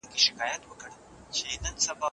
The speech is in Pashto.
موږ بايد دا هڅه جاري وساتو.